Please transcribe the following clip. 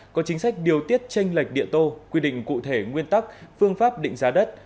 có chính sách điều tiết tranh lệch địa tô quy định cụ thể nguyên tắc phương pháp định giá đất